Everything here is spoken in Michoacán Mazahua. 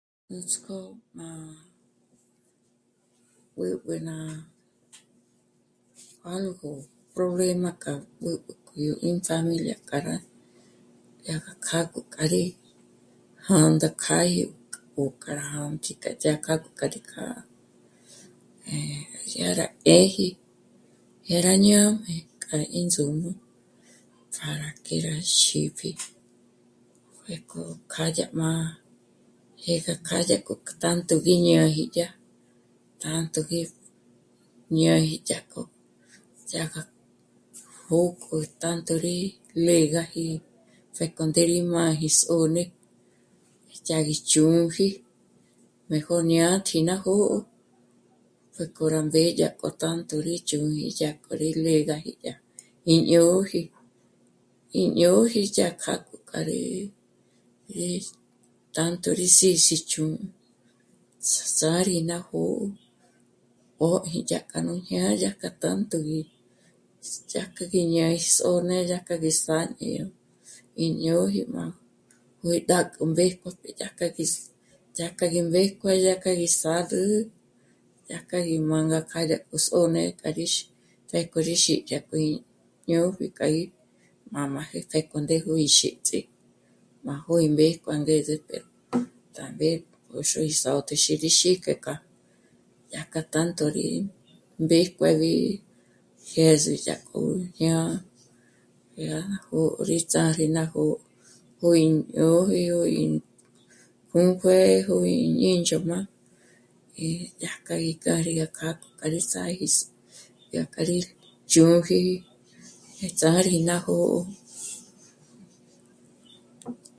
Nuts'k'ó má... b'ǚb'ü ná algo problema k'a b'ǚb'ü k'o yó ín pjámilia k'a rá, yá kjâ'agö kja rí jā̂ndā kjâ'a í k'o kjâ'a jì'i kja dyá'k'a k'a rí kjâ'a, eh... dyá rá 'ë́ji, dyá rá ñójm'e k'a ín ndzǔm'ü para que rá xípji pjék'o kjâdya má... jé gá k'a dyá k'o tántuji gí ñá'aji dyà, tántuji ñâji dyájkjo, dyá gá jö̌gü tjándúri legaji pjék'o ndéri má gí sô'n'e, dyá gí chū̌'ūji mejo jñátji ná jó'o pjék'o rá mbédye dyájkjo tánturi chū̌'ūji dyájkjo k'o rí légaji dyá í ñôji. í ñôji dyájkja k'o rí... tánturi sís'ích'u s..., sâri ná jó'o, póji dyàjkja rú ñá'a yá k'a tánturi, dyájkja gí ñáji s'ô'n'e dyájkja gí sángi yó í ñôji má cuidá k'o mbék'o, dyájkja gí mbéjkue, dyájkja gí s'âgü, dyajkja gí mânga rá dyák'u s'ô'n'e rá 'íx... pjék'o rí xípjü k'a í ñó'b'e k'a í jmā́m'ā pjék'o ndégo ín xíts'í, má jó'o gí mbéjkue angeze pero gá mbé k'o rí sôt'ü rí xíji ngék'a, dyájkja tánto rí mbéjkuebi jyês'i dyájkjo ñá'a, rá jó'o í ts'ârí ná jó'o k'o ín ñôgi yó ínjùmbue'e í ñí ñínch'ö́m'a í dyájkji kjâ'a rá, kjâgi pa rí sâri, dyájkja rí chū̌ji, mbétsári ná jó'o